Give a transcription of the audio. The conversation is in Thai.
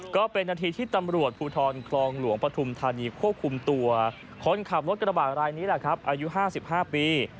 ก็เป็นหน้าที่ที่ประธุมธนีย์ควบคุมตัวคนขับรถกระบาดรายนี้อายุ๕๕ปี